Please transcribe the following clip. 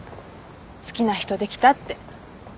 好きな人できたって。